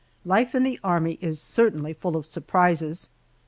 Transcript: LIFE in the Army is certainly full of surprises!